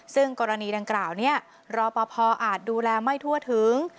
ซึ่งกรณีดังกล่าวนี้รอปภอาจดูแลไม่ทั่วถึง